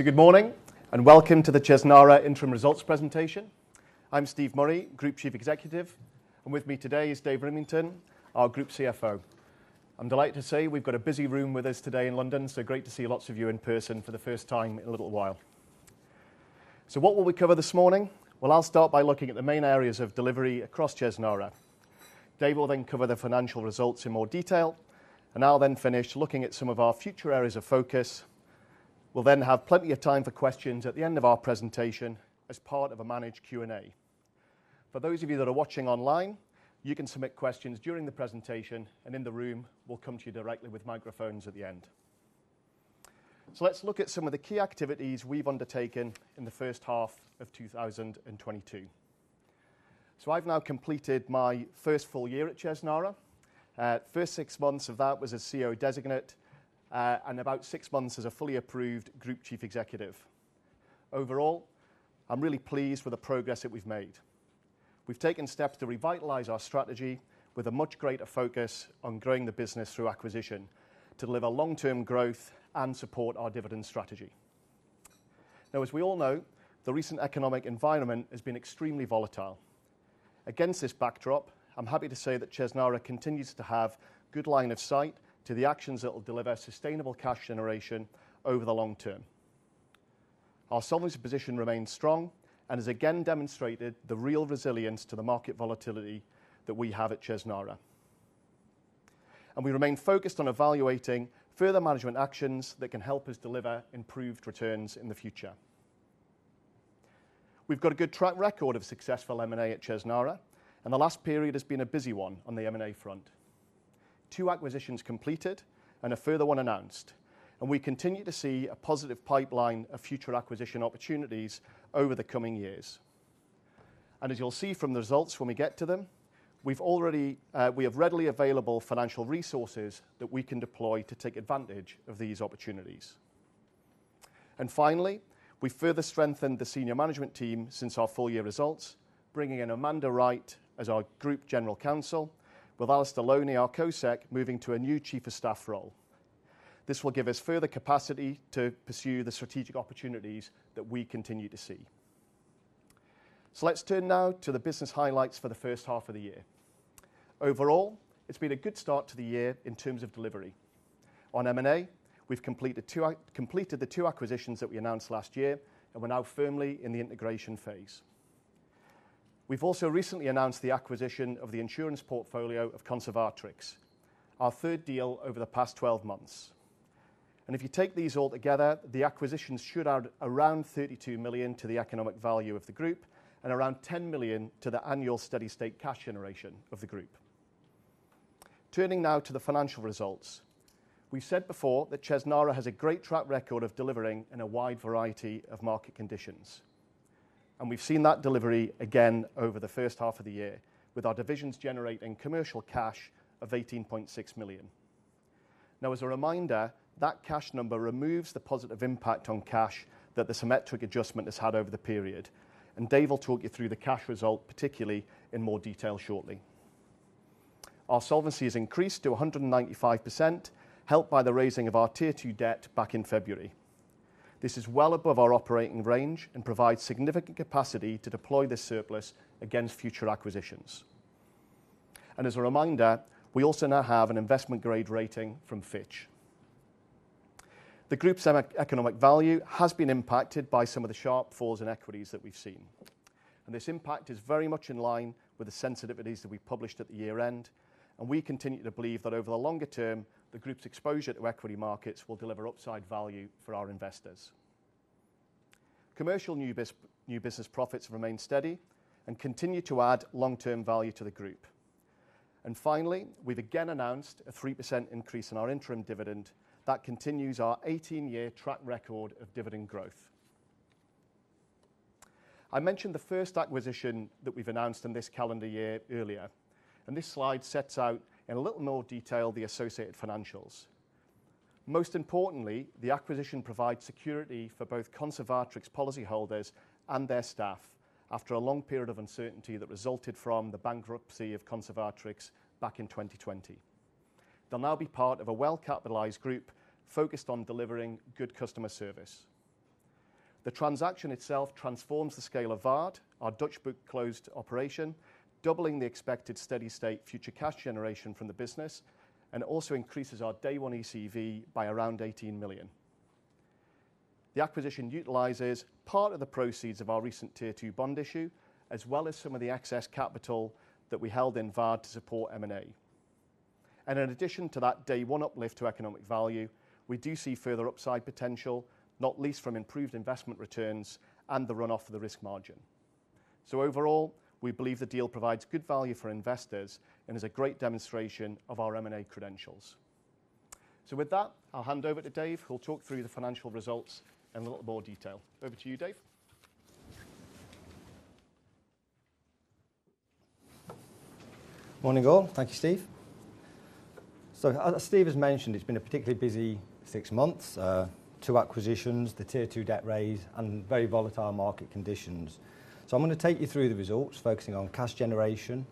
Good morning, and welcome to the Chesnara interim results presentation. I'm Steve Murray, Group Chief Executive, and with me today is David Rimmington, our Group CFO. I'm delighted to say we've got a busy room with us today in London, so great to see lots of you in person for the first time in a little while. What will we cover this morning? Well, I'll start by looking at the main areas of delivery across Chesnara. David will then cover the financial results in more detail, and I'll then finish looking at some of our future areas of focus. We'll then have plenty of time for questions at the end of our presentation as part of a managed Q&A. For those of you that are watching online, you can submit questions during the presentation, and in the room we'll come to you directly with microphones at the end. Let's look at some of the key activities we've undertaken in the first half of 2022. I've now completed my first full year at Chesnara. First six months of that was as CEO designate, and about six months as a fully approved group chief executive. Overall, I'm really pleased with the progress that we've made. We've taken steps to revitalize our strategy with a much greater focus on growing the business through acquisition to deliver long-term growth and support our dividend strategy. Now as we all know, the recent economic environment has been extremely volatile. Against this backdrop, I'm happy to say that Chesnara continues to have good line of sight to the actions that will deliver sustainable cash generation over the long-term. Our solvency position remains strong and has again demonstrated the real resilience to the market volatility that we have at Chesnara. We remain focused on evaluating further management actions that can help us deliver improved returns in the future. We've got a good track record of successful M&A at Chesnara, and the last period has been a busy one on the M&A front. Two acquisitions completed and a further one announced, and we continue to see a positive pipeline of future acquisition opportunities over the coming years. As you'll see from the results when we get to them, we have readily available financial resources that we can deploy to take advantage of these opportunities. Finally, we further strengthened the senior management team since our full year results, bringing in Amanda Wright as our Group General Counsel with Alistair Loney, our co-sec, moving to a new Chief of Staff role. This will give us further capacity to pursue the strategic opportunities that we continue to see. Let's turn now to the business highlights for the first half of the year. Overall, it's been a good start to the year in terms of delivery. On M&A, we've completed the two acquisitions that we announced last year and we're now firmly in the integration phase. We've also recently announced the acquisition of the insurance portfolio of Conservatrix, our third deal over the past 12 months. If you take these all together, the acquisitions should add around 32 million to the economic value of the group and around 10 million to the annual steady state cash generation of the group. Turning now to the financial results. We've said before that Chesnara has a great track record of delivering in a wide variety of market conditions, and we've seen that delivery again over the first half of the year with our divisions generating commercial cash of 18.6 million. Now as a reminder, that cash number removes the positive impact on cash that the symmetric adjustment has had over the period, and Dave will talk you through the cash result particularly in more detail shortly. Our solvency has increased to 195%, helped by the raising of our Tier 2 debt back in February. This is well above our operating range and provides significant capacity to deploy this surplus against future acquisitions. As a reminder, we also now have an investment grade rating from Fitch. The group's economic value has been impacted by some of the sharp falls in equities that we've seen, and this impact is very much in line with the sensitivities that we published at the year end. We continue to believe that over the longer-term, the group's exposure to equity markets will deliver upside value for our investors. Commercial new business profits remain steady and continue to add long-term value to the group. Finally, we've again announced a 3% increase in our interim dividend. That continues our eighteen-year track record of dividend growth. I mentioned the first acquisition that we've announced in this calendar year earlier, and this slide sets out in a little more detail the associated financials. Most importantly, the acquisition provides security for both Conservatrix policy holders and their staff after a long period of uncertainty that resulted from the bankruptcy of Conservatrix back in 2020. They'll now be part of a well-capitalized group focused on delivering good customer service. The transaction itself transforms the scale of Waard, our Dutch closed-book operation, doubling the expected steady state future cash generation from the business and also increases our day one ECV by around 18 million. The acquisition utilizes part of the proceeds of our recent Tier 2 bond issue, as well as some of the excess capital that we held in Waard to support M&A. In addition to that day one uplift to economic value, we do see further upside potential, not least from improved investment returns and the runoff of the risk margin. Overall, we believe the deal provides good value for investors and is a great demonstration of our M&A credentials. With that, I'll hand over to Dave, who'll talk through the financial results in a little more detail. Over to you, Dave. Morning all. Thank you, Steve. As Steve has mentioned, it's been a particularly busy six months. Two acquisitions, the Tier 2 debt raise, and very volatile market conditions. I'm going to take you through the results, focusing on cash generation,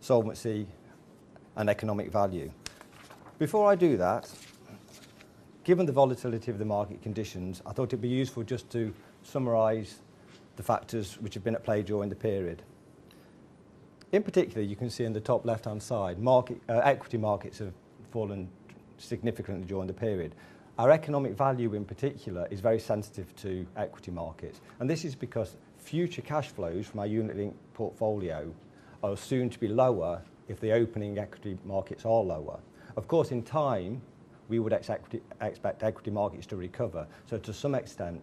solvency and economic value. Before I do that, given the volatility of the market conditions, I thought it'd be useful just to summarize the factors which have been at play during the period. In particular, you can see in the top left-hand side, equity markets have fallen significantly during the period. Our economic value, in particular, is very sensitive to equity markets, and this is because future cash flows from our unit-linked portfolio are soon to be lower if the opening equity markets are lower. Of course, in time, we would expect equity markets to recover. To some extent,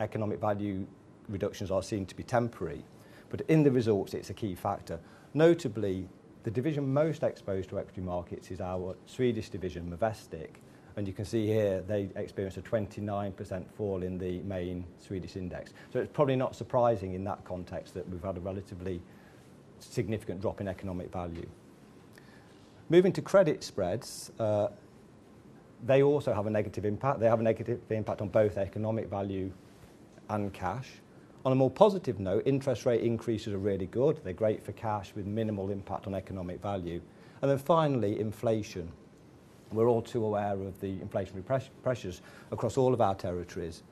economic value reductions are seen to be temporary, but in the results, it's a key factor. Notably, the division most exposed to equity markets is our Swedish division, Movestic, and you can see here they experienced a 29% fall in the main Swedish index. It's probably not surprising in that context that we've had a relatively significant drop in economic value. Moving to credit spreads, they also have a negative impact. They have a negative impact on both economic value and cash. On a more positive note, interest rate increases are really good. They're great for cash with minimal impact on economic value. Finally, inflation. We're all too aware of the inflationary pressures across all of our territories.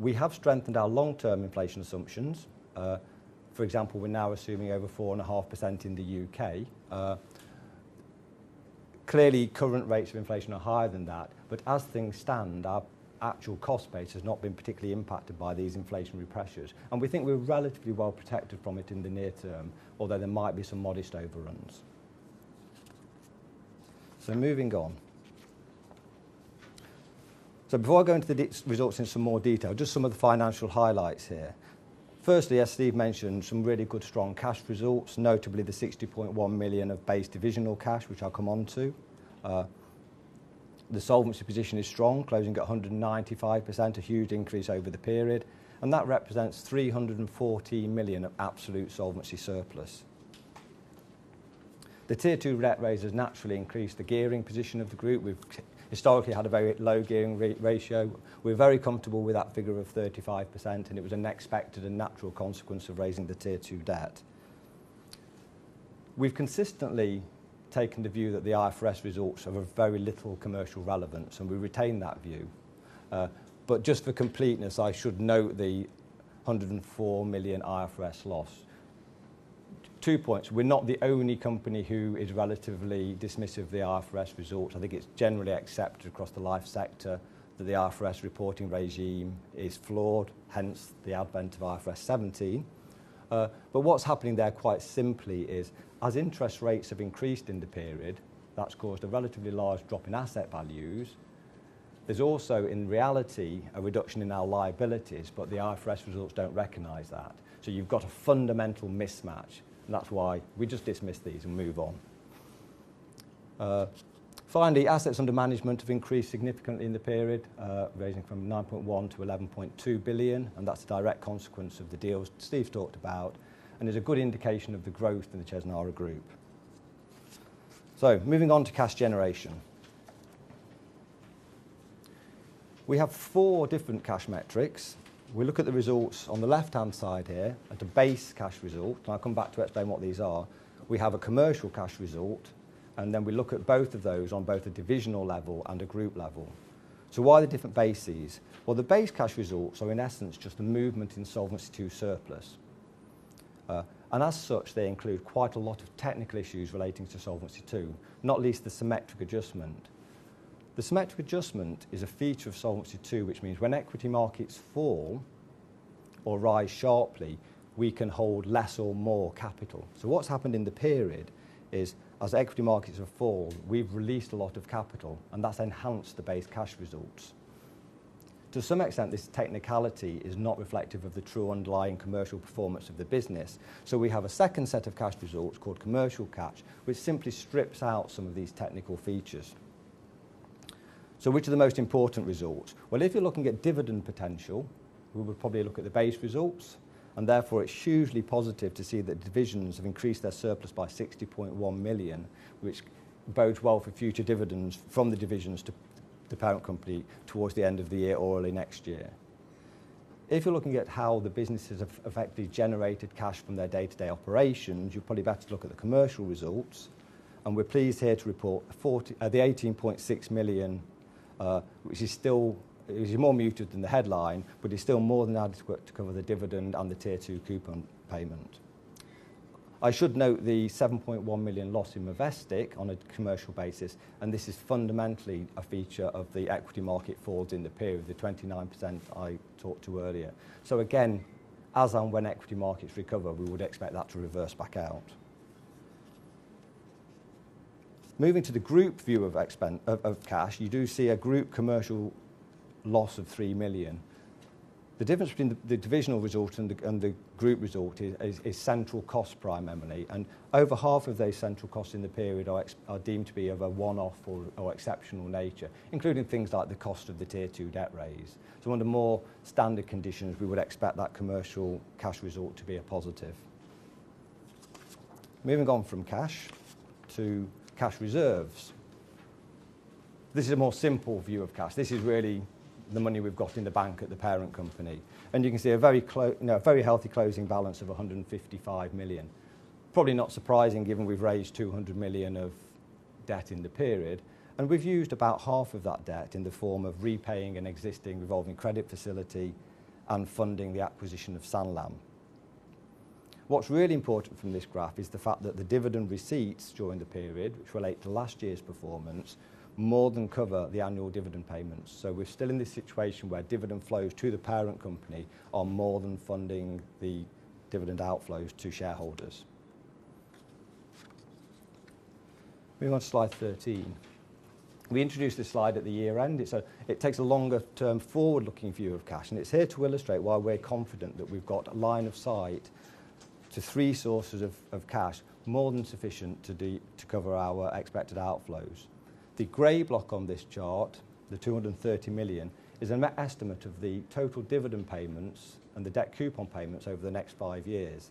We have strengthened our long-term inflation assumptions. For example, we're now assuming over 4.5% in the U.K. Clearly current rates of inflation are higher than that. As things stand, our actual cost base has not been particularly impacted by these inflationary pressures, and we think we're relatively well protected from it in the near-term, although there might be some modest overruns. Moving on. Before I go into the results in some more detail, just some of the financial highlights here. Firstly, as Steve mentioned, some really good strong cash results, notably the 60.1 million of base divisional cash, which I'll come on to. The solvency position is strong, closing at 195%, a huge increase over the period, and that represents 314 million of absolute solvency surplus. The Tier 2 rate raise has naturally increased the gearing position of the group. We've historically had a very low gearing ratio. We're very comfortable with that figure of 35%, and it was an expected and natural consequence of raising the Tier 2 debt. We've consistently taken the view that the IFRS results have very little commercial relevance, and we retain that view. Just for completeness, I should note the 104 million IFRS loss. Two points. We're not the only company who is relatively dismissive of the IFRS results. I think it's generally accepted across the life sector that the IFRS reporting regime is flawed, hence the advent of IFRS 17. What's happening there quite simply is as interest rates have increased in the period, that's caused a relatively large drop in asset values. There's also, in reality, a reduction in our liabilities, but the IFRS results don't recognize that. You've got a fundamental mismatch, and that's why we just dismiss these and move on. Finally, assets under management have increased significantly in the period, rising from 9.1 billion to 11.2 billion, and that's a direct consequence of the deals Steve talked about and is a good indication of the growth in the Chesnara group. Moving on to cash generation. We have four different cash metrics. We look at the results on the left-hand side here at the base cash result, and I'll come back to explain what these are. We have a commercial cash result, and then we look at both of those on both a divisional level and a group level. Why the different bases? Well, the base cash results are, in essence, just a movement in Solvency II surplus. As such, they include quite a lot of technical issues relating to Solvency II, not least the symmetric adjustment. The symmetric adjustment is a feature of Solvency II, which means when equity markets fall or rise sharply, we can hold less or more capital. What's happened in the period is as equity markets have fallen, we've released a lot of capital, and that's enhanced the base cash results. To some extent, this technicality is not reflective of the true underlying commercial performance of the business. We have a second set of cash results called commercial cash, which simply strips out some of these technical features. Which are the most important results? Well, if you're looking at dividend potential, we would probably look at the base results, and therefore it's hugely positive to see that divisions have increased their surplus by 60.1 million, which bodes well for future dividends from the divisions to the parent company towards the end of the year or early next year. If you're looking at how the businesses have effectively generated cash from their day-to-day operations, you're probably better to look at the commercial results. We're pleased here to report the 18.6 million, which is still more muted than the headline, but is still more than adequate to cover the dividend and the Tier 2 coupon payment. I should note the 7.1 million loss in Movestic on a commercial basis, and this is fundamentally a feature of the equity market falls in the period, the 29% I talked to earlier. Again, as and when equity markets recover, we would expect that to reverse back out. Moving to the group view of expected cash, you do see a group commercial loss of 3 million. The difference between the divisional result and the group result is central cost primarily, and over half of those central costs in the period are deemed to be of a one-off or exceptional nature, including things like the cost of the Tier 2 debt raise. Under more standard conditions, we would expect that commercial cash result to be a positive. Moving on from cash to cash reserves. This is a more simple view of cash. This is really the money we've got in the bank at the parent company, and you can see, you know, a very healthy closing balance of 155 million. Probably not surprising given we've raised 200 million of debt in the period, and we've used about half of that debt in the form of repaying an existing revolving credit facility and funding the acquisition of Sanlam. What's really important from this graph is the fact that the dividend receipts during the period, which relate to last year's performance, more than cover the annual dividend payments. We're still in this situation where dividend flows to the parent company are more than funding the dividend outflows to shareholders. Moving on to slide 13. We introduced this slide at the year-end. It takes a longer-term, forward-looking view of cash, and it's here to illustrate why we're confident that we've got a line of sight to three sources of cash more than sufficient to cover our expected outflows. The gray block on this chart, 230 million, is an estimate of the total dividend payments and the debt coupon payments over the next five years.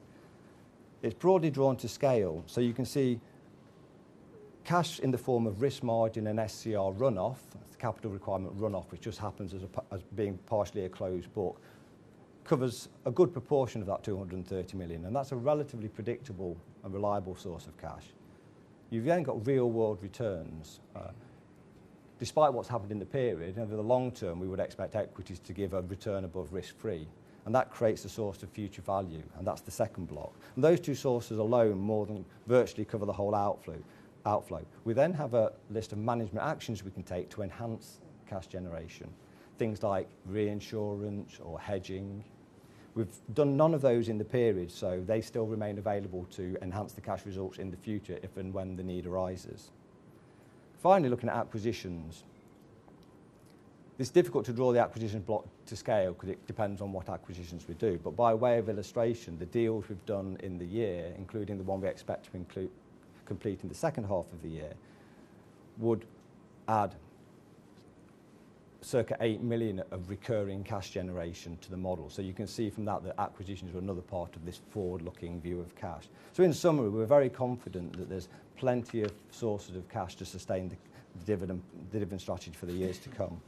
It's broadly drawn to scale, so you can see cash in the form of risk margin and SCR runoff, the capital requirement runoff, which just happens as being partially a closed book, covers a good proportion of that 230 million, and that's a relatively predictable and reliable source of cash. You've then got real-world returns. Despite what's happened in the period, over the long-term, we would expect equities to give a return above risk-free, and that creates a source of future value, and that's the second block. Those two sources alone more than virtually cover the whole outflow. We then have a list of management actions we can take to enhance cash generation, things like reinsurance or hedging. We've done none of those in the period, so they still remain available to enhance the cash results in the future if and when the need arises. Finally, looking at acquisitions. It's difficult to draw the acquisitions block to scale because it depends on what acquisitions we do. By way of illustration, the deals we've done in the year, including the one we expect to complete in the second half of the year, would add circa 8 million of recurring cash generation to the model. You can see from that acquisitions are another part of this forward-looking view of cash. In summary, we're very confident that there's plenty of sources of cash to sustain the dividend strategy for the years to come.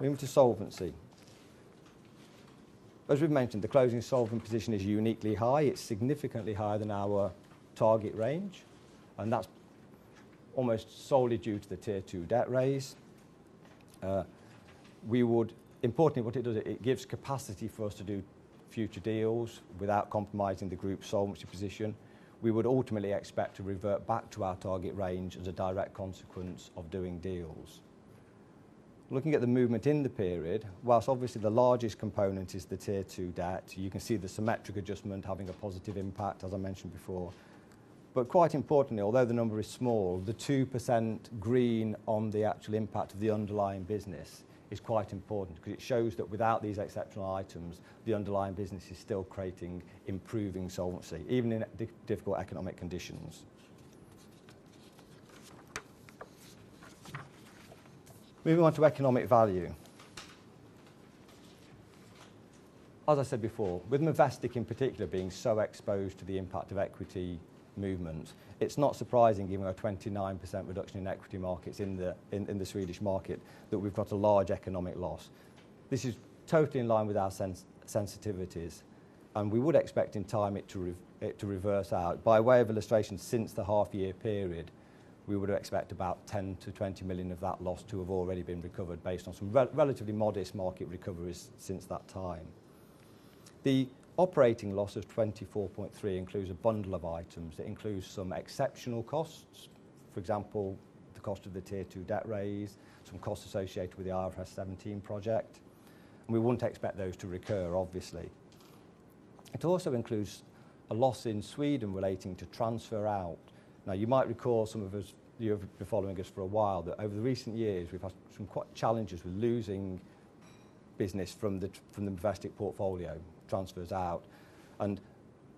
Moving to solvency. As we've mentioned, the closing solvency position is uniquely high. It's significantly higher than our target range, and that's almost solely due to the Tier 2 debt raise. Importantly, what it does is it gives capacity for us to do future deals without compromising the group's solvency position. We would ultimately expect to revert back to our target range as a direct consequence of doing deals. Looking at the movement in the period. While obviously the largest component is the Tier 2 debt, you can see the symmetric adjustment having a positive impact, as I mentioned before. Quite importantly, although the number is small, the 2% green on the actual impact of the underlying business is quite important because it shows that without these exceptional items, the underlying business is still creating improving solvency, even in difficult economic conditions. Moving on to economic value. As I said before, with Movestic in particular being so exposed to the impact of equity movement, it's not surprising given our 29% reduction in equity markets in the Swedish market that we've got a large economic loss. This is totally in line with our sensitivities, and we would expect in time it to reverse out. By way of illustration, since the half year period, we would expect about 10 million-20 million of that loss to have already been recovered based on some relatively modest market recoveries since that time. The operating loss of 24.3 million includes a bundle of items. It includes some exceptional costs. For example, the cost of the Tier 2 debt raise, some costs associated with the IFRS 17 project. We wouldn't expect those to recur, obviously. It also includes a loss in Sweden relating to transfer out. Now, you might recall you have been following us for a while, that over the recent years, we've had some quite challenges with losing business from the Movestic portfolio transfers out, and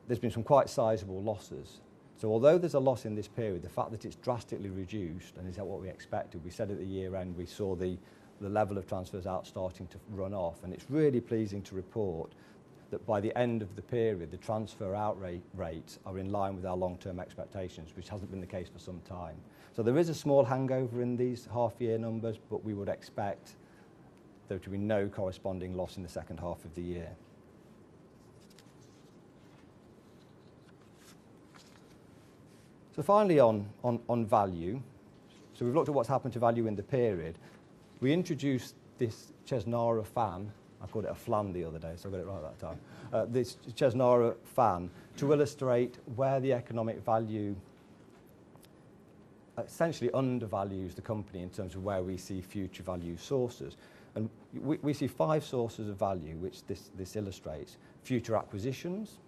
there's been some quite sizable losses. Although there's a loss in this period, the fact that it's drastically reduced and is that what we expected, we said at the year-end we saw the level of transfers out starting to run off. It's really pleasing to report that by the end of the period, the transfer out rate are in line with our long-term expectations, which hasn't been the case for some time. There is a small hangover in these half year numbers, but we would expect there to be no corresponding loss in the second half of the year. Finally on value. We've looked at what's happened to value in the period. We introduced this Chesnara Fan. I called it a [flam] the other day, so I've got it right that time. This Chesnara Fan to illustrate where the economic value essentially undervalues the company in terms of where we see future value sources. We see five sources of value which this illustrates, future acquisitions,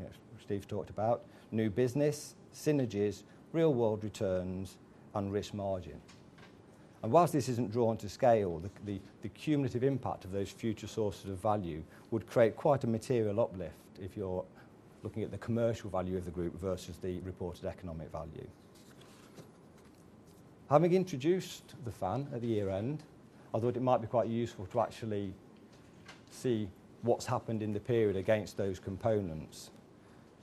which Steve talked about, new business, synergies, real-world returns, and risk margin. While this isn't drawn to scale, the cumulative impact of those future sources of value would create quite a material uplift if you're looking at the commercial value of the group versus the reported economic value. Having introduced the Fan at the year-end, although it might be quite useful to actually see what's happened in the period against those components.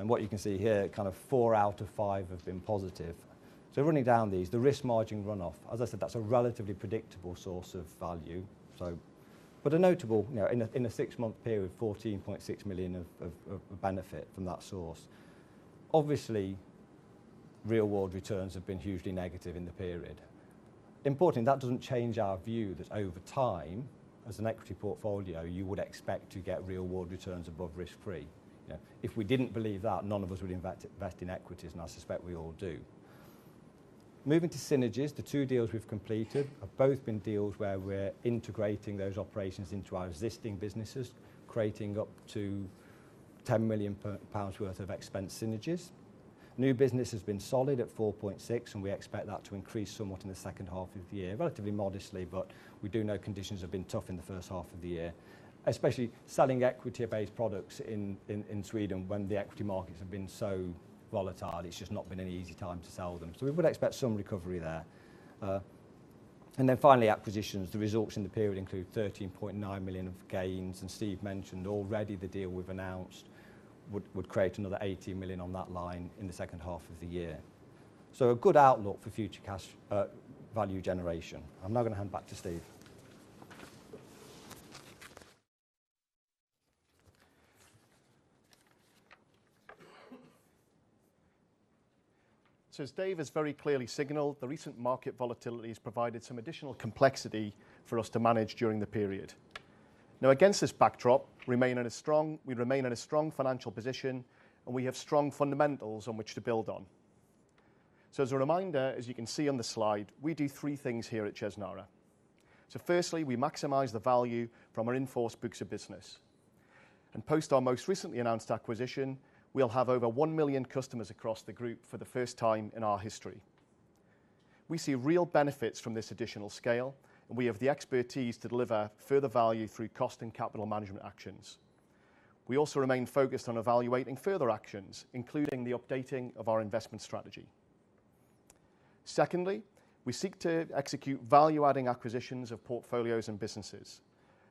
What you can see here, kind of four out of five have been positive. Running down these, the risk margin run-off, as I said, that's a relatively predictable source of value. A notable, you know, in a six-month period, 14.6 million of benefit from that source. Obviously, real-world returns have been hugely negative in the period. Important, that doesn't change our view that over time, as an equity portfolio, you would expect to get real-world returns above risk-free. You know, if we didn't believe that, none of us would invest in equities, and I suspect we all do. Moving to synergies, the two deals we've completed have both been deals where we're integrating those operations into our existing businesses, creating up to 10 million pounds worth of expense synergies. New business has been solid at 4.6 million, and we expect that to increase somewhat in the second half of the year. Relatively modestly, but we do know conditions have been tough in the first half of the year, especially selling equity-based products in Sweden when the equity markets have been so volatile. It's just not been an easy time to sell them. We would expect some recovery there. And then finally, acquisitions. The results in the period include 13.9 million of gains, and Steve mentioned already the deal we've announced would create another 80 million on that line in the second half of the year. A good outlook for future cash value generation. I'm now going to hand back to Steve. As David has very clearly signaled, the recent market volatility has provided some additional complexity for us to manage during the period. Now, against this backdrop, we remain in a strong financial position, and we have strong fundamentals on which to build on. As a reminder, as you can see on the slide, we do three things here at Chesnara. Firstly, we maximize the value from our in-force books of business. And post our most recently announced acquisition, we'll have over 1 million customers across the group for the first time in our history. We see real benefits from this additional scale, and we have the expertise to deliver further value through cost and capital management actions. We also remain focused on evaluating further actions, including the updating of our investment strategy. Secondly, we seek to execute value-adding acquisitions of portfolios and businesses.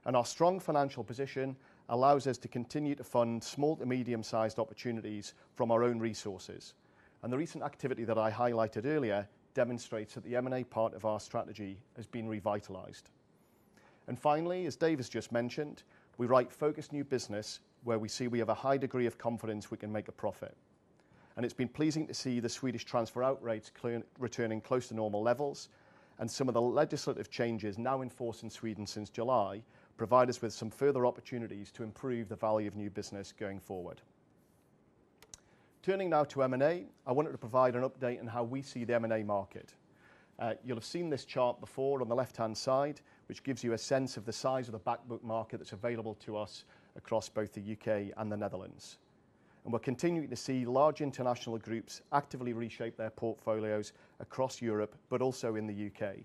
Our strong financial position allows us to continue to fund small to medium-sized opportunities from our own resources. The recent activity that I highlighted earlier demonstrates that the M&A part of our strategy has been revitalized. Finally, as David has just mentioned, we write focused new business where we see we have a high degree of confidence we can make a profit. It's been pleasing to see the Swedish transfer out rates returning close to normal levels, and some of the legislative changes now in force in Sweden since July provide us with some further opportunities to improve the value of new business going forward. Turning now to M&A, I wanted to provide an update on how we see the M&A market. You'll have seen this chart before on the left-hand side, which gives you a sense of the size of the back book market that's available to us across both the U.K. And the Netherlands. We're continuing to see large international groups actively reshape their portfolios across Europe but also in the U.K.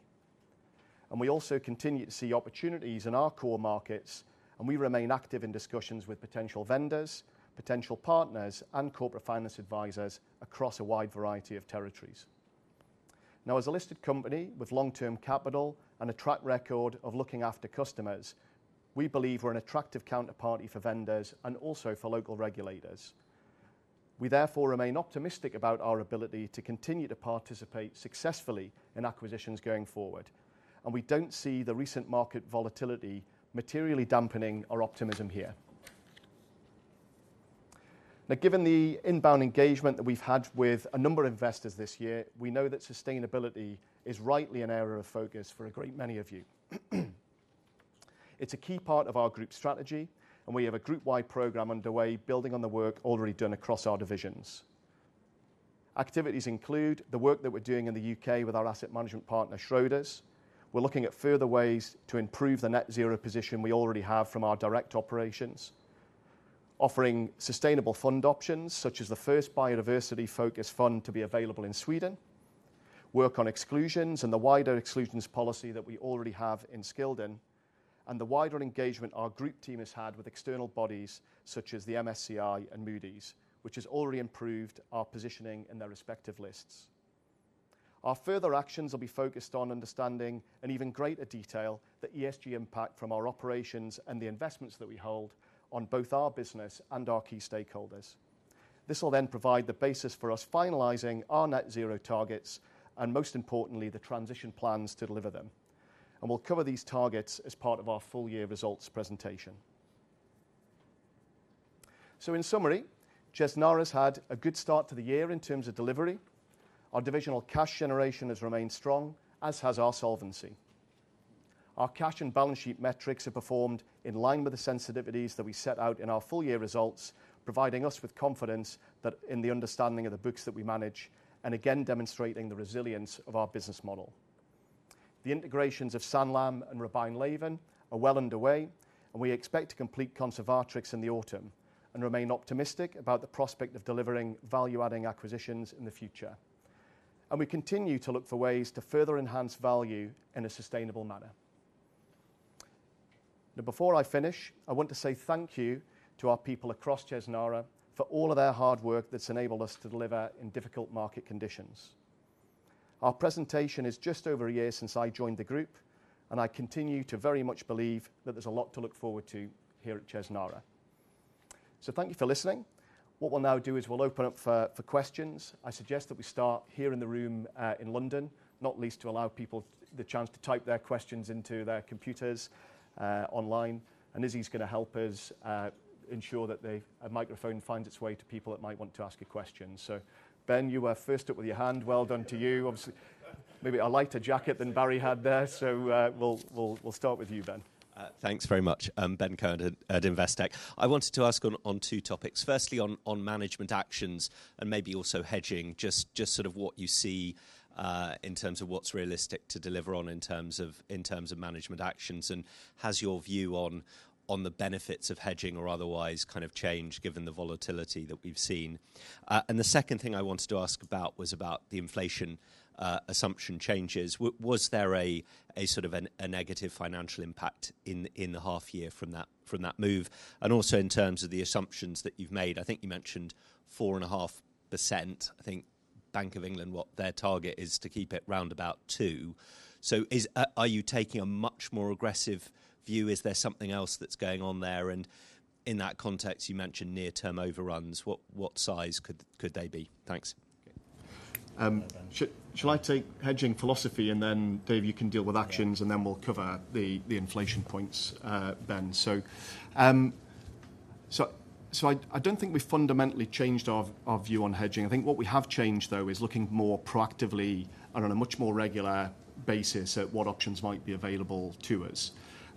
We also continue to see opportunities in our core markets, and we remain active in discussions with potential vendors, potential partners, and corporate finance advisors across a wide variety of territories. Now, as a listed company with long-term capital and a track record of looking after customers, we believe we're an attractive counterparty for vendors and also for local regulators. We therefore remain optimistic about our ability to continue to participate successfully in acquisitions going forward, and we don't see the recent market volatility materially dampening our optimism here. Now, given the inbound engagement that we've had with a number of investors this year, we know that sustainability is rightly an area of focus for a great many of you. It's a key part of our group strategy, and we have a group-wide program underway building on the work already done across our divisions. Activities include the work that we're doing in the U.K. with our asset management partner, Schroders. We're looking at further ways to improve the net zero position we already have from our direct operations. Offering sustainable fund options, such as the first biodiversity focus fund to be available in Sweden. Work on exclusions and the wider exclusions policy that we already have in Scildon. The wider engagement our group team has had with external bodies such as the MSCI and Moody's, which has already improved our positioning in their respective lists. Our further actions will be focused on understanding in even greater detail the ESG impact from our operations and the investments that we hold on both our business and our key stakeholders. This will then provide the basis for us finalizing our net zero targets and, most importantly, the transition plans to deliver them. We'll cover these targets as part of our full year results presentation. In summary, Chesnara's had a good start to the year in terms of delivery. Our divisional cash generation has remained strong, as has our solvency. Our cash and balance sheet metrics have performed in line with the sensitivities that we set out in our full year results, providing us with confidence that in the understanding of the books that we manage, and again demonstrating the resilience of our business model. The integrations of Sanlam and Robein Leven are well underway, and we expect to complete Conservatrix in the autumn and remain optimistic about the prospect of delivering value-adding acquisitions in the future. We continue to look for ways to further enhance value in a sustainable manner. Now before I finish, I want to say thank you to our people across Chesnara for all of their hard work that's enabled us to deliver in difficult market conditions. Our presentation is just over a year since I joined the group, and I continue to very much believe that there's a lot to look forward to here at Chesnara. Thank you for listening. What we'll now do is we'll open up for questions. I suggest that we start here in the room in London, not least to allow people the chance to type their questions into their computers online. Izzy's going to help us ensure that a microphone finds its way to people that might want to ask a question. Ben, you were first up with your hand. Well done to you. Obviously, maybe a lighter jacket than Barry had there. We'll start with you, Ben. Thanks very much. Ben Cohen at Investec. I wanted to ask on two topics. Firstly, on management actions and maybe also hedging, just sort of what you see in terms of what's realistic to deliver on in terms of management actions. Has your view on the benefits of hedging or otherwise kind of changed given the volatility that we've seen? The second thing I wanted to ask about was about the inflation assumption changes. Was there a sort of a negative financial impact in the half year from that move? Also in terms of the assumptions that you've made, I think you mentioned 4.5%. I think Bank of England, what their target is to keep it round about 2%. Are you taking a much more aggressive view? Is there something else that's going on there? In that context, you mentioned near term overruns. What size could they be? Thanks. Okay. Shall I take hedging philosophy and then David you can deal with actions then we'll cover the inflation points, Ben. I don't think we've fundamentally changed our view on hedging. I think what we have changed though is looking more proactively and on a much more regular basis at what options might be available to us.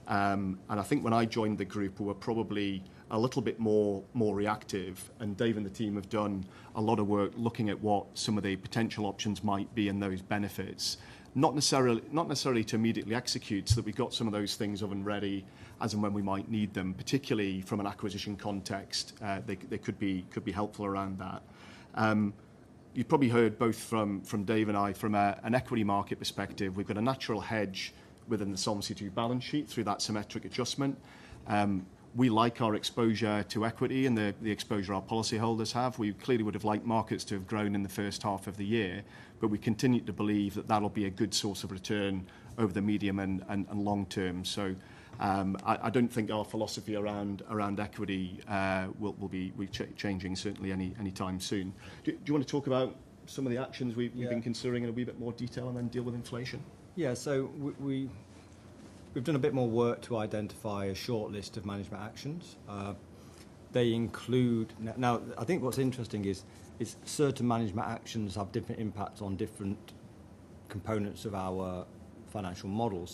I think when I joined the group, we were probably a little bit more reactive, and Dave and the team have done a lot of work looking at what some of the potential options might be and those benefits. Not necessarily to immediately execute, so that we've got some of those things up and ready as and when we might need them, particularly from an acquisition context. They could be helpful around that. You've probably heard both from Dave and I from an equity market perspective. We've got a natural hedge within the Solvency II balance sheet through that symmetric adjustment. We like our exposure to equity and the exposure our policy holders have. We clearly would've liked markets to have grown in the first half of the year, but we continue to believe that that'll be a good source of return over the medium and long-term. I don't think our philosophy around equity will be changing certainly anytime soon. Do you want to talk about some of the actions we've been considering in a wee bit more detail and then deal with inflation? We've done a bit more work to identify a short list of management actions. Now I think what's interesting is certain management actions have different impacts on different components of our financial model.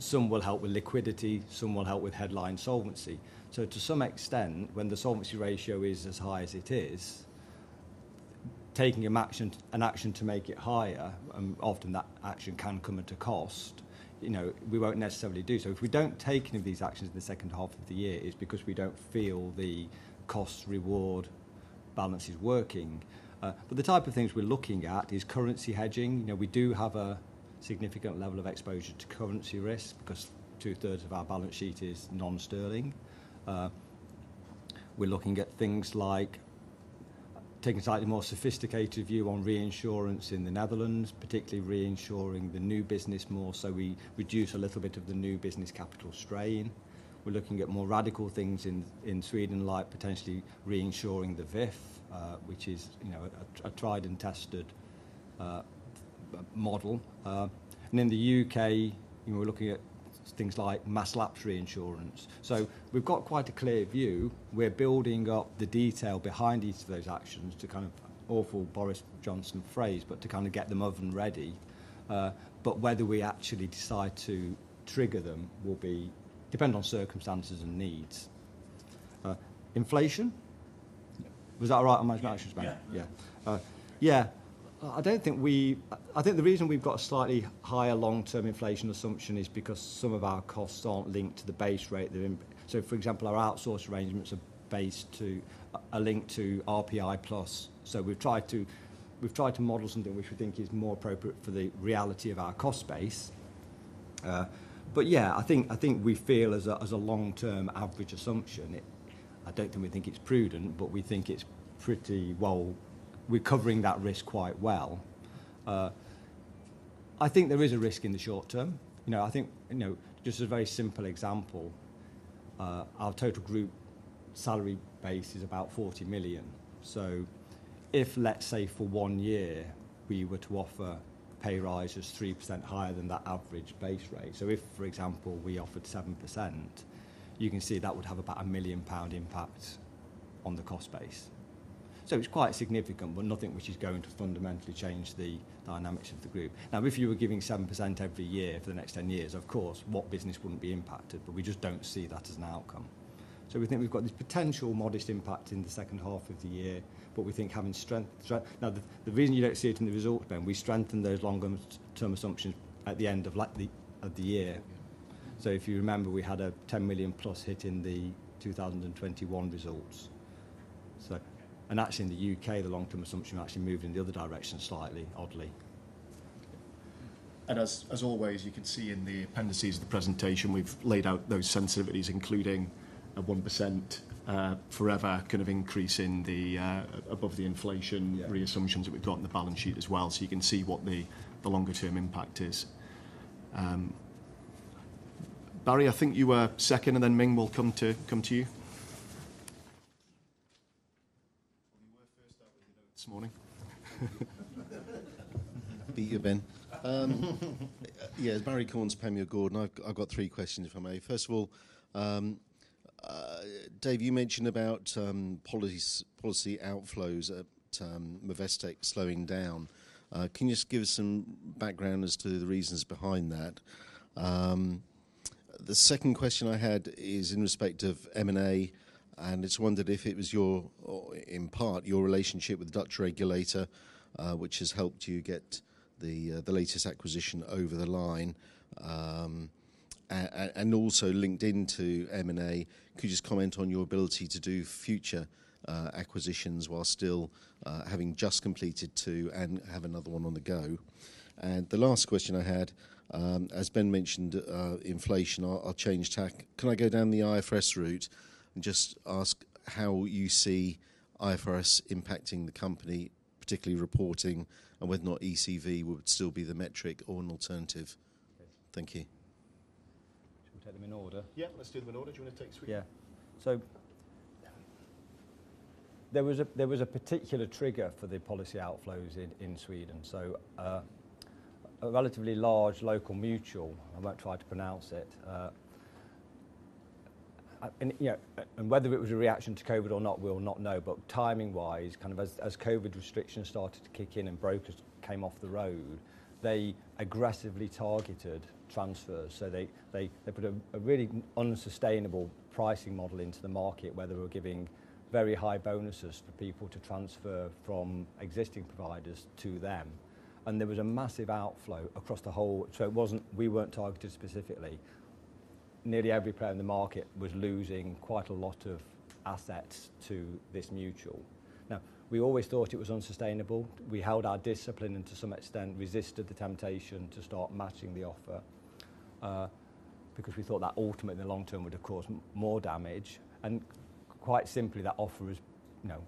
Some will help with liquidity, some will help with headline solvency. To some extent, when the solvency ratio is as high as it is, taking a match and an action to make it higher, often that action can come at a cost. You know, we won't necessarily do so. If we don't take any of these actions in the second half of the year, it's because we don't feel the cost reward balance is working. The type of things we're looking at is currency hedging. You know, we do have a significant level of exposure to currency risk because 2/3 of our balance sheet is non-sterling. We're looking at things like taking a slightly more sophisticated view on reinsurance in the Netherlands, particularly reinsuring the new business more so we reduce a little bit of the new business capital strain. We're looking at more radical things in Sweden, like potentially reinsuring the VIF, which is, you know, a tried and tested model. And in the U.K., you know, we're looking at things like mass lapse reinsurance. So we've got quite a clear view. We're building up the detail behind each of those actions to kind of awful Boris Johnson phrase, but to kind of get them up and ready. But whether we actually decide to trigger them will be dependent on circumstances and needs. Inflation? Was that all right? Management actions back. Yeah. I think the reason we've got a slightly higher long-term inflation assumption is because some of our costs aren't linked to the base rate. They're linked to RPI plus. So for example, our outsource arrangements are linked to RPI plus. We've tried to model something which we think is more appropriate for the reality of our cost base. But yeah, I think we feel as a long-term average assumption, it. I don't think we think it's prudent, but we think it's pretty well. We're covering that risk quite well. I think there is a risk in the short-term. You know, I think, you know, just as a very simple example, our total group salary base is about 40 million. If, let's say for one year we were to offer pay rise as 3% higher than that average base rate. If for example, we offered 7%, you can see that would have about 1 million pound impact on the cost base. It's quite significant, but nothing which is going to fundamentally change the dynamics of the group. If you were giving 7% every year for the next 10 years, of course, what business wouldn't be impacted? We just don't see that as an outcome. We think we've got this potential modest impact in the second half of the year. The reason you don't see it in the results then, we strengthen those longer-term assumptions at the end of the year. If you remember, we had a 10 million plus hit in the 2021 results. Actually in the U.K. the long-term assumption actually moved in the other direction slightly, oddly. As always, you can see in the appendices of the presentation, we've laid out those sensitivities, including a 1% forever kind of increase in the above the inflation reassumptions that we've got in the balance sheet as well. You can see what the longer-term impact is. Murray, I think you were second, and then Ming we'll come to you. Well, you were first up this morning. Beat you, Ben. Yeah, Barry Cornes, Panmure Gordon. I've got three questions, if I may. First of all, Dave, you mentioned about policy outflows at Movestic slowing down. Can you just give us some background as to the reasons behind that? The second question I had is in respect of M&A, and I wondered if it was your or in part your relationship with the Dutch regulator, which has helped you get the latest acquisition over the line. Also linked into M&A, could you just comment on your ability to do future acquisitions while still having just completed two and have another one on the go? The last question I had, as Ben mentioned, inflation, I'll change tack. Can I go down the IFRS route and just ask how you see IFRS impacting the company, particularly reporting, and whether or not EcV would still be the metric or an alternative? Thank you. Shall we take them in order? Yeah, let's do them in order. Do you want to take Sweden? Yeah. There was a particular trigger for the policy outflows in Sweden. A relatively large local mutual. I won't try to pronounce it. You know, and whether it was a reaction to COVID or not, we'll not know. Timing-wise, kind of as COVID restrictions started to kick in and brokers came off the road, they aggressively targeted transfers. They put a really unsustainable pricing model into the market where they were giving very high bonuses for people to transfer from existing providers to them. And there was a massive outflow across the whole. It wasn't. We weren't targeted specifically. Nearly every player in the market was losing quite a lot of assets to this mutual. Now, we always thought it was unsustainable. We held our discipline and to some extent resisted the temptation to start matching the offer, because we thought that ultimately in the long term would have caused more damage. Quite simply, that offer is, you know,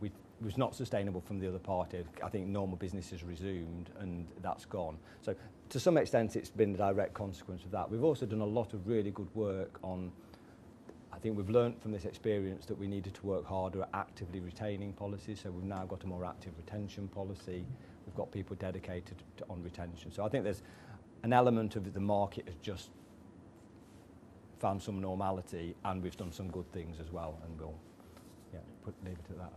was not sustainable from the other party. I think normal business has resumed, and that's gone. To some extent, it's been the direct consequence of that. We've also done a lot of really good work. I think we've learned from this experience that we needed to work harder at actively retaining policies, so we've now got a more active retention policy. We've got people dedicated to retention. I think there's an element of the market has just found some normality, and we've done some good things as well and gone. Yeah, put a number to that,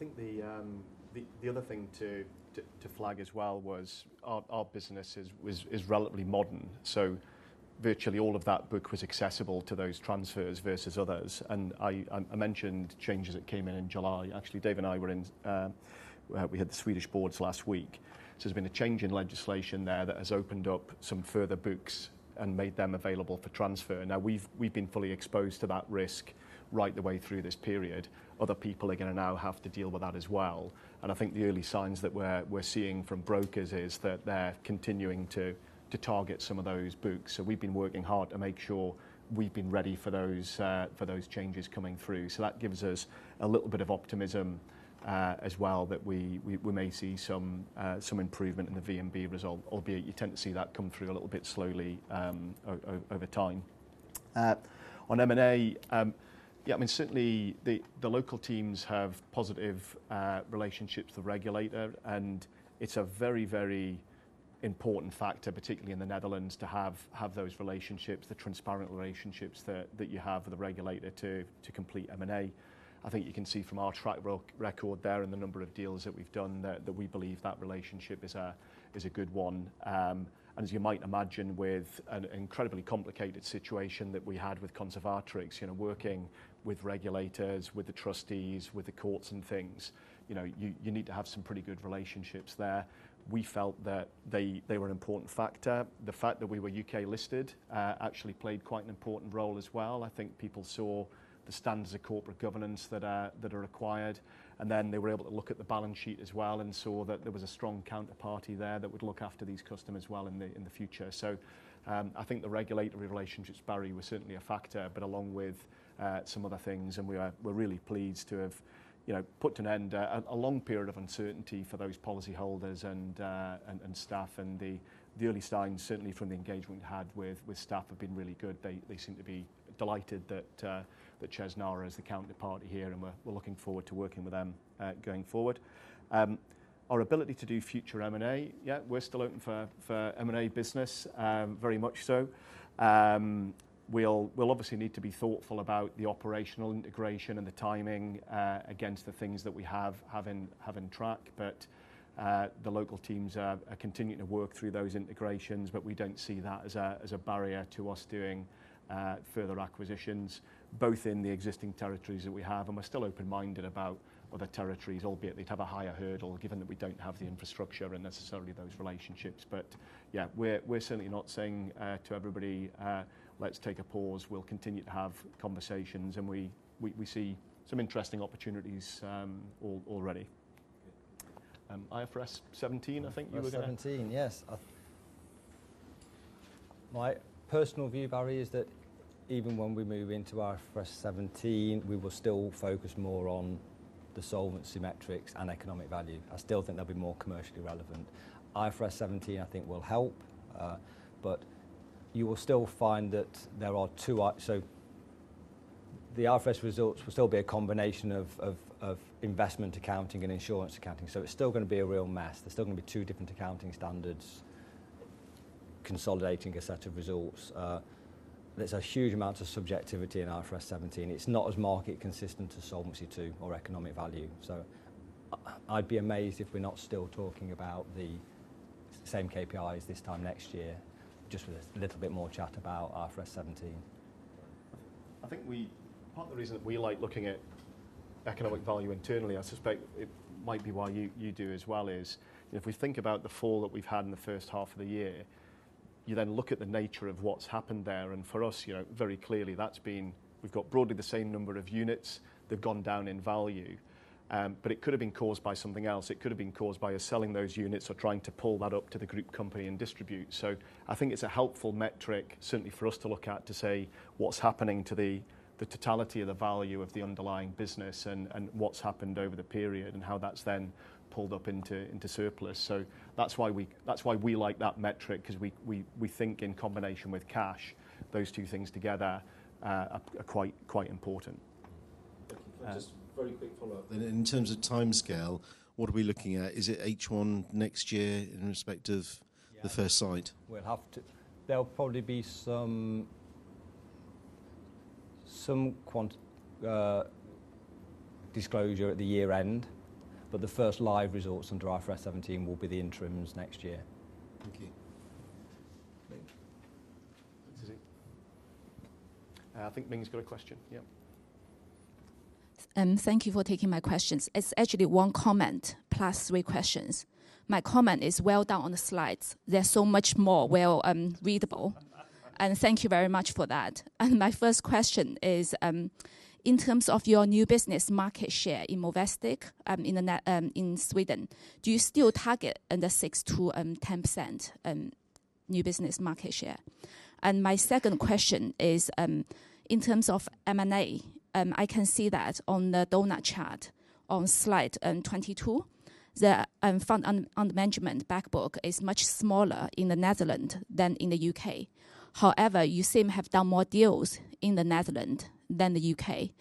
I think. I think the other thing to flag as well was our business is relatively modern. Virtually all of that book was accessible to those transfers versus others. I mentioned changes that came in in July. Actually, Dave and I had the Swedish boards last week. There's been a change in legislation there that has opened up some further books and made them available for transfer. Now we've been fully exposed to that risk right the way through this period. Other people are going to now have to deal with that as well. I think the early signs that we're seeing from brokers is that they're continuing to target some of those books. We've been working hard to make sure we've been ready for those changes coming through. That gives us a little bit of optimism as well that we may see some improvement in the VNB result, albeit you tend to see that come through a little bit slowly over time. On M&A, yeah, I mean, certainly the local teams have positive relationships with the regulator, and it's a very, very important factor, particularly in the Netherlands, to have those relationships, the transparent relationships that you have with the regulator to complete M&A. I think you can see from our track record there and the number of deals that we've done that we believe that relationship is a good one. As you might imagine with an incredibly complicated situation that we had with Conservatrix, you know, working with regulators, with the trustees, with the courts and things, you know, you need to have some pretty good relationships there. We felt that they were an important factor. The fact that we were U.K. listed, actually played quite an important role as well. I think people saw the standards of corporate governance that are required, and then they were able to look at the balance sheet as well and saw that there was a strong counterparty there that would look after these customers well in the future. I think the regulatory relationships, Barry, was certainly a factor, but along with some other things, and we're really pleased to have, you know, put an end to a long period of uncertainty for those policyholders and staff. The early signs, certainly from the engagement we've had with staff have been really good. They seem to be delighted that Chesnara is the counterparty here, and we're looking forward to working with them going forward. Our ability to do future M&A, yeah, we're still open for M&A business, very much so. We'll obviously need to be thoughtful about the operational integration and the timing against the things that we have on track. The local teams are continuing to work through those integrations. We don't see that as a barrier to us doing further acquisitions, both in the existing territories that we have. We're still open-minded about other territories, albeit they'd have a higher hurdle given that we don't have the infrastructure and necessarily those relationships. Yeah, we're certainly not saying to everybody, "Let's take a pause." We'll continue to have conversations, and we see some interesting opportunities already. IFRS 17. IFRS 17, yes. My personal view, Barry, is that even when we move into IFRS 17, we will still focus more on the solvency metrics and economic value. I still think they'll be more commercially relevant. IFRS 17, I think, will help, but you will still find that the IFRS results will still be a combination of investment accounting and insurance accounting, so it's still going to be a real mess. There's still going to be two different accounting standards consolidating a set of results. There's a huge amount of subjectivity in IFRS 17. It's not as market consistent to Solvency II or economic value. I'd be amazed if we're not still talking about the same KPIs this time next year, just with a little bit more chat about IFRS 17. I think part of the reason that we like looking at economic value internally, I suspect it might be why you do as well is, if we think about the fall that we've had in the first half of the year, you then look at the nature of what's happened there. For us, you know, very clearly that's been, we've got broadly the same number of units that have gone down in value. But it could have been caused by something else. It could have been caused by us selling those units or trying to pull that up to the group company and distribute. I think it's a helpful metric certainly for us to look at to say what's happening to the totality of the value of the underlying business and what's happened over the period and how that's then pulled up into surplus. That's why we like that metric because we think in combination with cash, those two things together are quite important. Thank you. Just very quick follow-up. In terms of timescale, what are we looking at? Is it H1 next year in respect of the first site? Yeah. There'll probably be some quant disclosure at the year end, but the first live results under IFRS 17 will be the interims next year. Thank you. I think Ming's got a question. Yeah. Thank you for taking my questions. It's actually one comment plus three questions. My comment is well done on the slides. They're so much more well readable. Thank you very much for that. My first question is in terms of your new business market share in Movestic in Sweden, do you still target in the 6%-10% new business market share? My second question is in terms of M&A, I can see that on the donut chart on slide 22, the fund under management back book is much smaller in the Netherlands than in the U.K. However, you seem to have done more deals in the Netherlands than the U.K.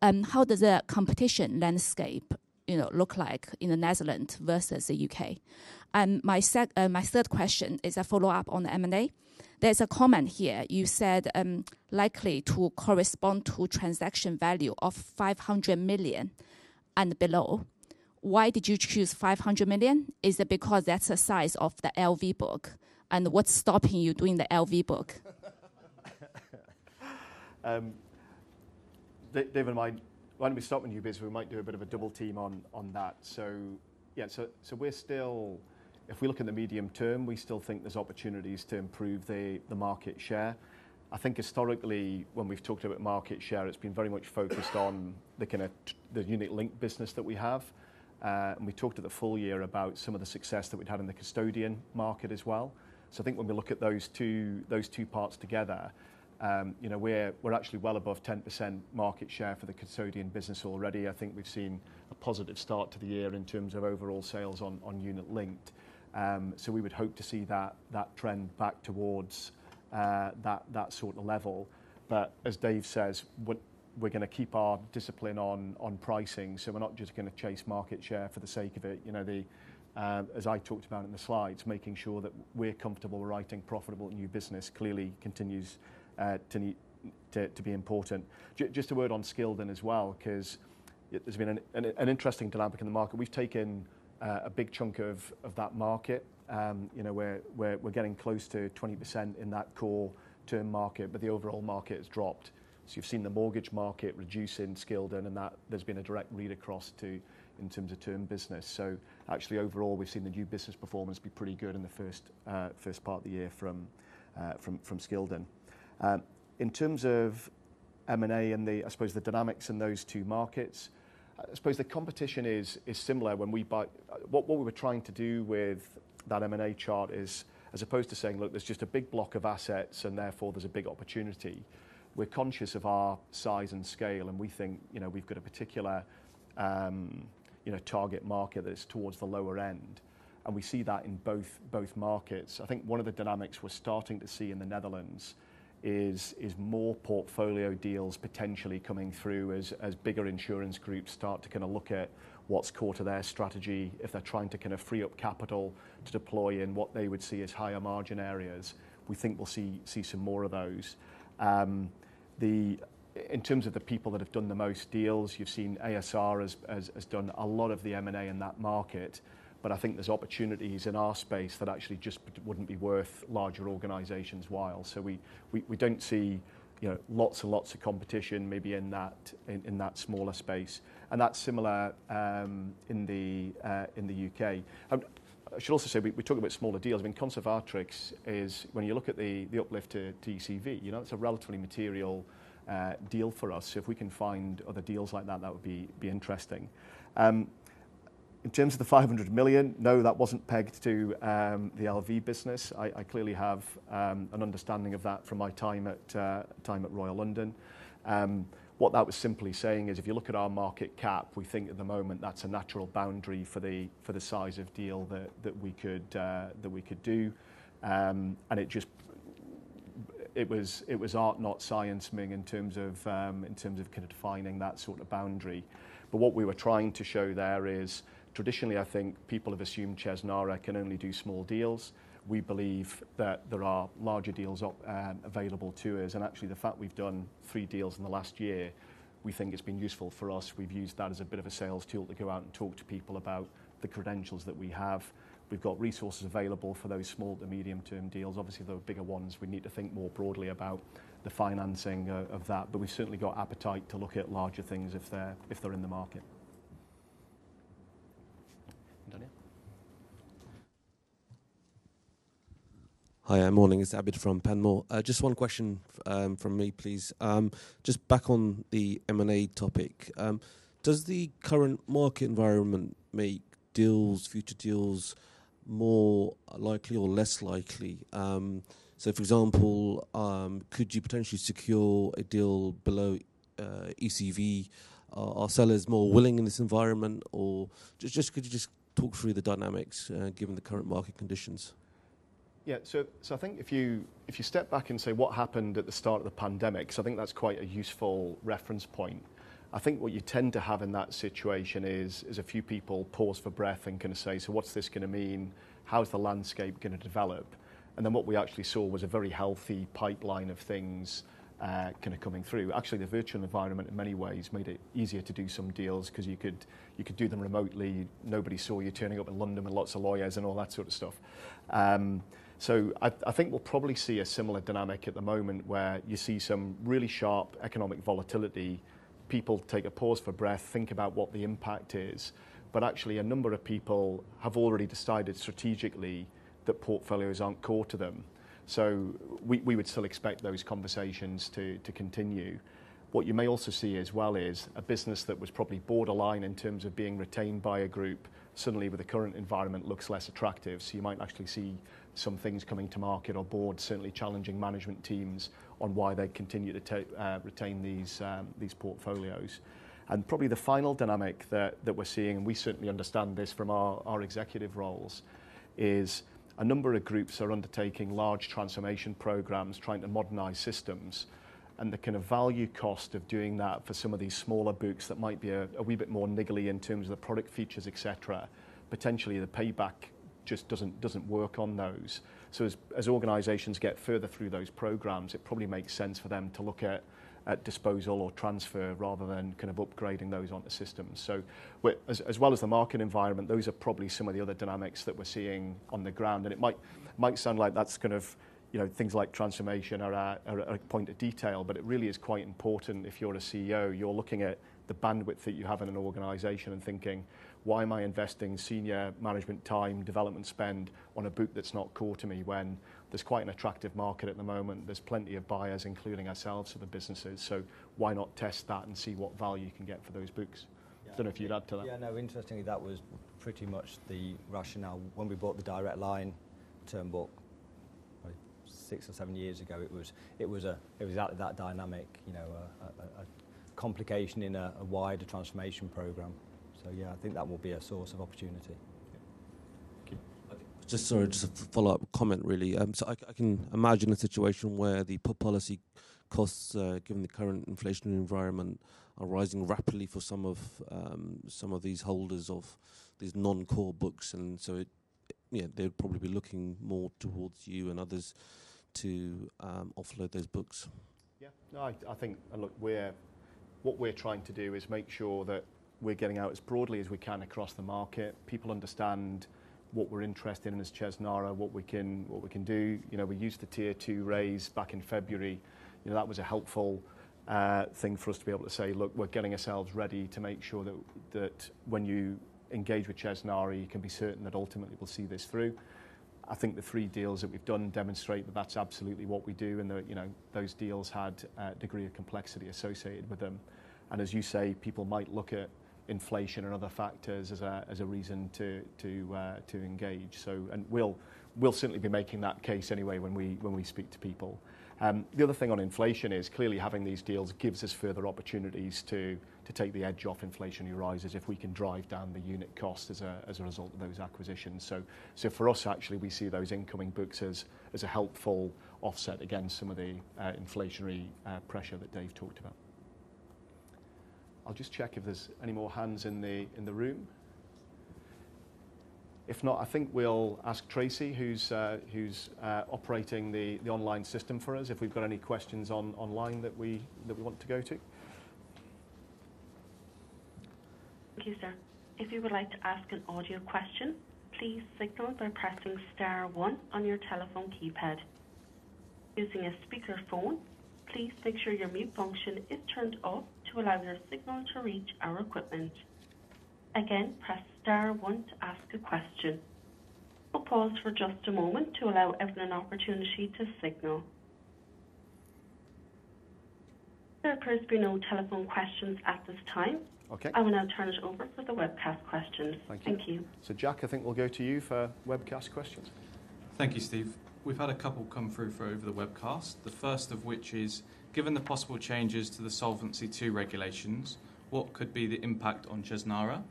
How does the competition landscape, you know, look like in the Netherlands versus the U.K.? My third question is a follow-up on the M&A. There's a comment here. You said likely to correspond to transaction value of 500 million and below. Why did you choose 500 million? Is it because that's the size of the LV book? What's stopping you doing the LV book? Dave and I, why don't we start with you, [Biz]? We might do a bit of a double team on that. If we look in the medium-term, we still think there's opportunities to improve the market share. I think historically when we've talked about market share, it's been very much focused on the kind of the unit-linked business that we have. We talked at the full year about some of the success that we'd had in the custodian market as well. I think when we look at those two parts together, you know, we're actually well above 10% market share for the custodian business already. I think we've seen a positive start to the year in terms of overall sales on unit-linked. We would hope to see that trend back towards that sort of level. As Dave says, we're going to keep our discipline on pricing, so we're not just going to chase market share for the sake of it. You know, as I talked about in the slides, making sure that we're comfortable writing profitable new business clearly continues to be important. Just a word on Scildon as well because it has been an interesting dynamic in the market. We've taken a big chunk of that market, you know, we're getting close to 20% in that core term market, but the overall market has dropped. You've seen the mortgage market reduce in Scildon, and that there's been a direct read across to in terms of term business. Actually overall, we've seen the new business performance be pretty good in the first part of the year from Scildon. In terms of M&A and the, I suppose the dynamics in those two markets, I suppose the competition is similar when we buy. What we were trying to do with that M&A chart is as opposed to saying, look, there's just a big block of assets and therefore there's a big opportunity, we're conscious of our size and scale, and we think, you know, we've got a particular, you know, target market that's towards the lower end, and we see that in both markets. I think one of the dynamics we're starting to see in the Netherlands is more portfolio deals potentially coming through as bigger insurance groups start to kind of look at what's core to their strategy. If they're trying to kind of free up capital to deploy in what they would see as higher margin areas, we think we'll see some more of those. In terms of the people that have done the most deals, you've seen ASR has done a lot of the M&A in that market. I think there's opportunities in our space that actually just wouldn't be worth larger organizations' while. We don't see, you know, lots and lots of competition maybe in that smaller space, and that's similar in the U.K. I should also say we talk about smaller deals. I mean, Conservatrix is. When you look at the uplift to TCV, you know, it's a relatively material deal for us. If we can find other deals like that would be interesting. In terms of 500 million, no, that wasn't pegged to the LV business. I clearly have an understanding of that from my time at Royal London. What that was simply saying is, if you look at our market cap, we think at the moment that's a natural boundary for the size of deal that we could do. It just. It was art not science, Ming, in terms of kind of defining that sort of boundary. What we were trying to show there is traditionally, I think, people have assumed Chesnara can only do small deals. We believe that there are larger deals up, available to us. Actually, the fact we've done three deals in the last year, we think it's been useful for us. We've used that as a bit of a sales tool to go out and talk to people about the credentials that we have. We've got resources available for those small to medium-term deals. Obviously, the bigger ones, we need to think more broadly about the financing of that. We've certainly got appetite to look at larger things if they're in the market. Abid. Hi. Morning. It's Abid from Panmure. Just one question from me, please. Just back on the M&A topic. Does the current market environment make deals, future deals more likely or less likely? So for example, could you potentially secure a deal below EcV? Are sellers more willing in this environment? Could you just talk through the dynamics, given the current market conditions? Yeah. I think if you step back and say what happened at the start of the pandemic, I think that's quite a useful reference point. I think what you tend to have in that situation is a few people pause for breath and kinda say, "So what's this going to mean? How is the landscape going to develop?" What we actually saw was a very healthy pipeline of things kinda coming through. Actually, the virtual environment in many ways made it easier to do some deals because you could do them remotely. Nobody saw you turning up in London with lots of lawyers and all that sort of stuff. I think we'll probably see a similar dynamic at the moment where you see some really sharp economic volatility. People take a pause for breath, think about what the impact is. Actually, a number of people have already decided strategically that portfolios aren't core to them. We would still expect those conversations to continue. What you may also see as well is a business that was probably borderline in terms of being retained by a group, suddenly with the current environment looks less attractive. You might actually see some things coming to market or boards certainly challenging management teams on why they continue to retain these portfolios. Probably the final dynamic that we're seeing, and we certainly understand this from our executive roles, is a number of groups are undertaking large transformation programs trying to modernize systems. The kind of value cost of doing that for some of these smaller books that might be a wee bit more niggly in terms of the product features, et cetera. Potentially the payback just doesn't work on those. As organizations get further through those programs, it probably makes sense for them to look at disposal or transfer rather than kind of upgrading those onto systems. As well as the market environment, those are probably some of the other dynamics that we're seeing on the ground. It might sound like that's kind of, you know, things like transformation are a point of detail, but it really is quite important if you're a CEO. You're looking at the bandwidth that you have in an organization and thinking, "Why am I investing senior management time, development spend on a book that's not core to me when there's quite an attractive market at the moment? There's plenty of buyers, including ourselves, for the businesses. So why not test that and see what value you can get for those books?" Don't know if you'd add to that. Yeah, no. Interestingly, that was pretty much the rationale when we bought the Direct Line term book six or seven years ago. It was at that dynamic, you know, a complication in a wider transformation program. Yeah, I think that will be a source of opportunity. Thank you. Just a follow-up comment, really. I can imagine a situation where the policy costs, given the current inflationary environment, are rising rapidly for some of these holders of these non-core books, and so it, you know, they'd probably be looking more towards you and others to offload those books. Yeah. No, I think. Look, what we're trying to do is make sure that we're getting out as broadly as we can across the market. People understand what we're interested in as Chesnara, what we can do. You know, we used the Tier 2 raise back in February. You know, that was a helpful thing for us to be able to say, "Look, we're getting ourselves ready to make sure that when you engage with Chesnara, you can be certain that ultimately we'll see this through." I think the three deals that we've done demonstrate that that's absolutely what we do, and you know, those deals had a degree of complexity associated with them. As you say, people might look at inflation and other factors as a reason to engage. We'll certainly be making that case anyway when we speak to people. The other thing on inflation is clearly having these deals gives us further opportunities to take the edge off inflationary rises if we can drive down the unit cost as a result of those acquisitions. For us, actually, we see those incoming books as a helpful offset against some of the inflationary pressure that Dave talked about. I'll just check if there's any more hands in the room. If not, I think we'll ask Tracy, who's operating the online system for us, if we've got any questions online that we want to go to. Thank you, sir. If you would like to ask an audio question, please signal by pressing star-one on your telephone keypad. Using a speakerphone, please make sure your mute function is turned off to allow your signal to reach our equipment. Again, press star-one to ask a question. We'll pause for just a moment to allow everyone an opportunity to signal. There appears to be no telephone questions at this time. I will now turn it over for the webcast questions. Thank you. Jack, I think we'll go to you for webcast questions. Thank you, Steve. We've had a couple come through for over the webcast. The first of which is, given the possible changes to the Solvency II regulations, what could be the impact on Chesnara?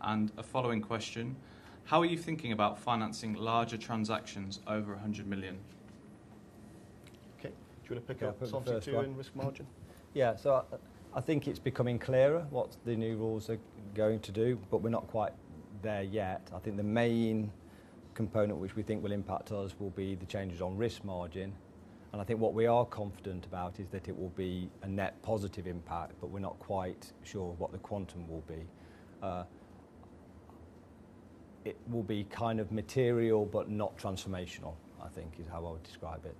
A following question, how are you thinking about financing larger transactions over 100 million? Okay. Do you want to pick up Solvency II and risk margin? Yeah. I think it's becoming clearer what the new rules are going to do, but we're not quite there yet. I think the main component which we think will impact us will be the changes on risk margin. I think what we are confident about is that it will be a net positive impact, but we're not quite sure what the quantum will be. It will be kind of material but not transformational, I think is how I would describe it.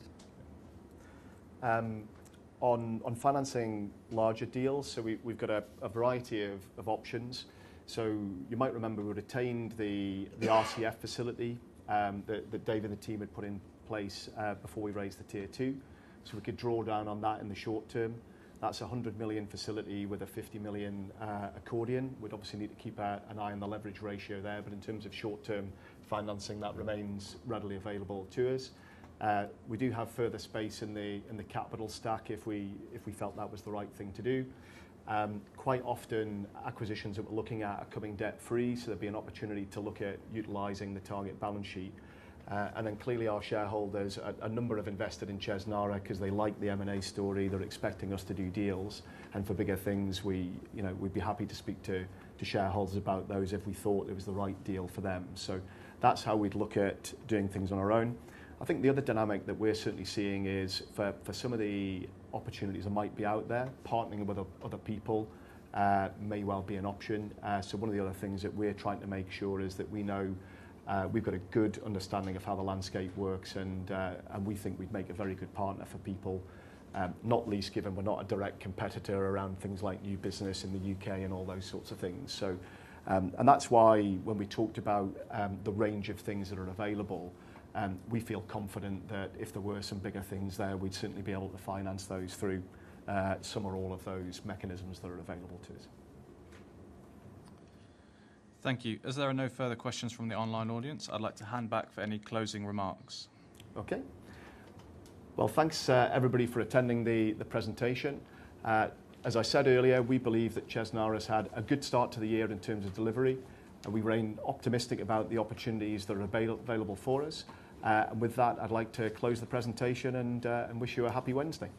On financing larger deals, we've got a variety of options. You might remember we retained the RCF facility that Dave and the team had put in place before we raised the Tier 2. We could draw down on that in the short term. That's a 100 million facility with a 50 million accordion. We'd obviously need to keep an eye on the leverage ratio there, but in terms of short-term financing, that remains readily available to us. We do have further space in the capital stack if we felt that was the right thing to do. Quite often acquisitions that we're looking at are coming debt-free, there'd be an opportunity to look at utilizing the target balance sheet. Clearly our shareholders, a number have invested in Chesnara because they like the M&A story. They're expecting us to do deals. For bigger things we, you know, we'd be happy to speak to shareholders about those if we thought it was the right deal for them. That's how we'd look at doing things on our own. I think the other dynamic that we're certainly seeing is for some of the opportunities that might be out there, partnering with other people may well be an option. One of the other things that we're trying to make sure is that we know we've got a good understanding of how the landscape works and we think we'd make a very good partner for people, not least given we're not a direct competitor around things like new business in the U.K. and all those sorts of things. That's why when we talked about the range of things that are available, we feel confident that if there were some bigger things there, we'd certainly be able to finance those through some or all of those mechanisms that are available to us. Thank you. As there are no further questions from the online audience, I'd like to hand back for any closing remarks. Okay. Well, thanks, everybody for attending the presentation. As I said earlier, we believe that Chesnara's had a good start to the year in terms of delivery, and we remain optimistic about the opportunities that are available for us. With that, I'd like to close the presentation and wish you a happy Wednesday.